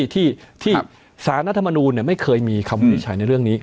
ที่ศาลนัธมานูเนี่ยไม่เคยมีคำวิชัยในเรื่องนี้